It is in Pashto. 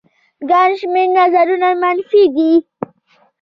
ګڼ شمېر نظرونه منفي دي